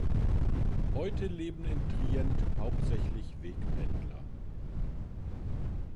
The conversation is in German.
Heute leben in Trient hauptsächlich Wegpendler.